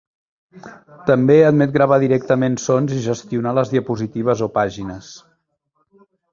També admet gravar directament sons i gestionar les diapositives o pàgines.